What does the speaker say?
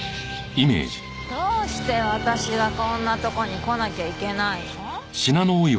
どうして私がこんなとこに来なきゃいけないの？